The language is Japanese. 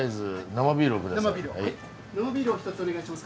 生ビールをお一つお願いします